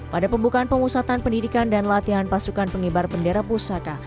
pada pembukaan pemusatan pendidikan dan latihan pasukan pengibar bendera pusaka